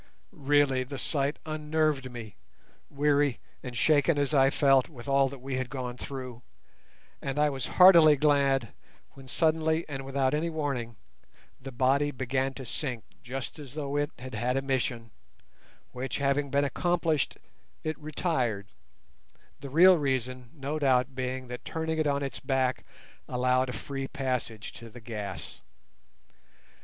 Really the sight unnerved me, weary and shaken as I felt with all that we had gone through, and I was heartily glad when suddenly and without any warning the body began to sink just as though it had had a mission, which having been accomplished, it retired; the real reason no doubt being that turning it on its back allowed a free passage to the gas.